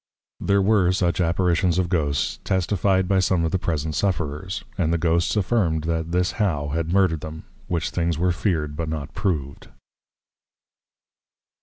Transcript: There were such Apparitions of Ghosts testified by some of the present Sufferers; and the Ghosts affirmed, that this How had Murdered them: Which things were fear'd but not prov'd. III.